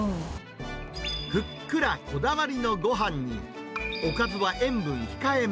ふっくらこだわりのごはんに、おかずは塩分控えめ。